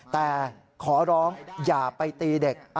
แต่ขอร้องอย่าไปตีเด็ก